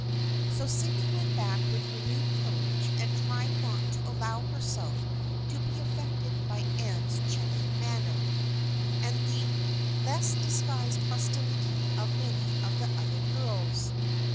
» So Sydney went back with renewed courage and tried not to allow herself to be affected by Anne's chilling manner, and the less disguised hostility of many of the other girls.